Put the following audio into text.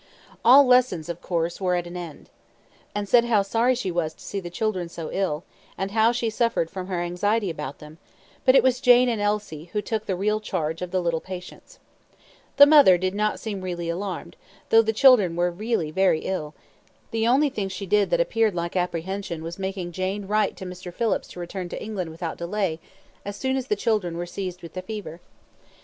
All lessons, of course, were at an end. Mrs. Phillips looked into the nursery several times a day, and said how sorry she was to see the children so ill, and how she suffered from her anxiety about them; but it was Jane and Elsie who took the real charge of the little patients. The mother did not seem really alarmed, though the children were really very ill; the only thing she did that appeared like apprehension was making Jane write to Mr. Phillips to return to England without delay as soon as the children were seized with the fever.